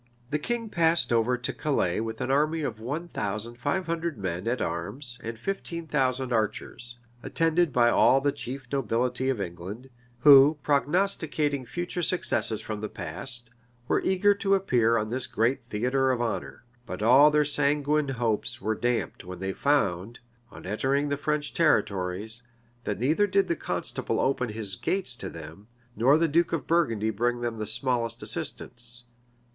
{1475.} The king passed over to Calais with an army of one thousand five hundred men at arms and fifteen thousand archers, attended by all the chief nobility of England, who, prognosticating future successes from the past, were eager to appear on this great theatre of honor.[*] But all their sanguine hopes were damped when they found, on entering the French territories, that neither did the constable open his gates to them, nor the duke of Burgundy bring them the smallest assistance.